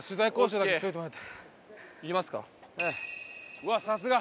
うわっさすが！